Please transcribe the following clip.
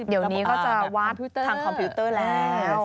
เดี๋ยวนี้ก็จะวาดทางคอมพิวเตอร์แล้ว